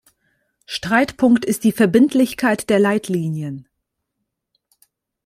Streitpunkt ist die Verbindlichkeit der Leitlinien.